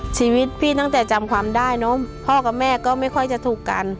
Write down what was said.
ชีวิตพี่ตั้งแต่จำความได้เนอะพ่อกับแม่ก็ไม่ค่อยจะถูกกัน